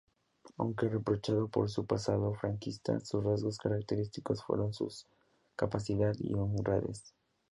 Aunque reprochado por su pasado franquista, sus rasgos característicos fueron su capacidad y honradez.